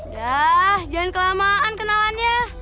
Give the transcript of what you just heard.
dah jangan kelamaan kenalannya